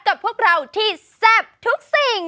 กับพวกเราที่แซ่บทุกสิ่ง